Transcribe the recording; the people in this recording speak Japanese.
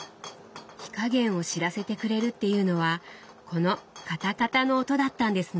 火加減を知らせてくれるっていうのはこの「カタカタ」の音だったんですね。